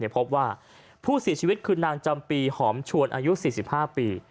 พบว่าผู้เสียชีวิตคือนางจำปีหอมชวนอายุ๔๕ปี